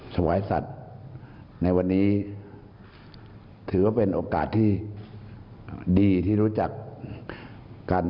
ถวายสัตว์ในวันนี้ถือว่าเป็นโอกาสที่ดีที่รู้จักกัน